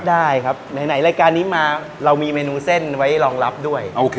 ได้ครับไหนรายการนี้มาเรามีเมนูเส้นไว้รองรับด้วย